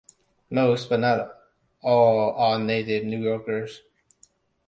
Most, but not all, are native New Yorkers.